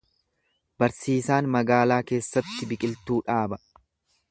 Barsiisaan magaalaa keessatti biqiltuu dhaaba.